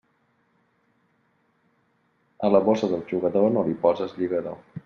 A la bossa del jugador no li poses lligador.